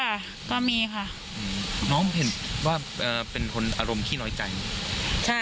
ค่ะก็มีค่ะอืมน้องเห็นว่าเอ่อเป็นคนอารมณ์ขี้น้อยใจใช่